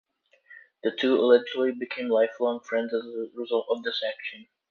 The two allegedly became lifelong friends as a result of this action.